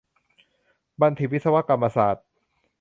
บัณฑิตวิศวกรรมศาสตร์